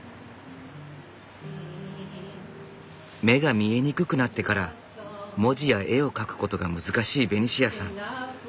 目が見えにくくなってから文字や絵を描くことが難しいベニシアさん。